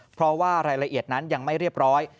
เพราะว่ารายละเอียดนั้นยังไม่เรียบร้อย